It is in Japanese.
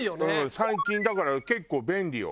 最近だから結構便利よ。